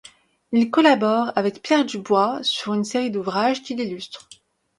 Il collabore avec Pierre Dubois sur une série d’ouvrages qu’il illustre.